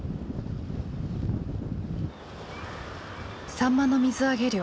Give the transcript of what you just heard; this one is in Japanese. サンマの水揚げ量